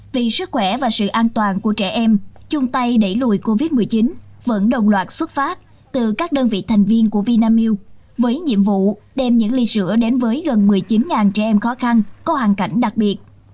vì sức khỏe và sự an toàn của trẻ em chung tay đẩy lùi covid một mươi chín vẫn đồng loạt xuất phát từ các đơn vị thành viên của vinamilk với nhiệm vụ đem những ly sữa đến với gần một mươi chín trẻ em khó khăn có hoàn cảnh đặc biệt